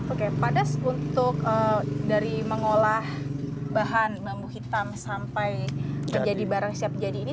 oke pada untuk dari mengolah bahan bambu hitam sampai terjadi barang siap jadi ini